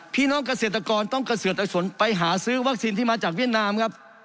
พี่น้องเกษตรกรต้องเกษตรสนไปหาซื้อวัคซีนที่มาจากเวียดนามครับ